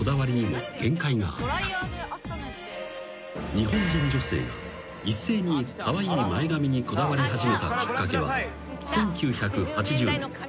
［日本人女性が一斉にカワイイ前髪にこだわり始めたきっかけは１９８０年］